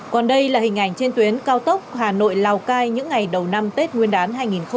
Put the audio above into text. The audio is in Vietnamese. còn đây là hình ảnh trên tuyến cao tốc hà nội lào cai những ngày đầu năm tết nguyên đán hai nghìn hai mươi